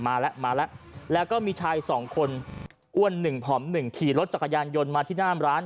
มาแล้วมาแล้วแล้วก็มีชายสองคนอ้วนหนึ่งผอมหนึ่งขี่รถจักรยานยนต์มาที่หน้ามร้าน